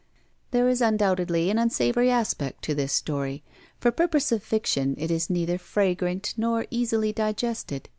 There is undoubtedly an unsavory aspect to this story. For purpose of fiction, it is neither fragrant nor easily digested.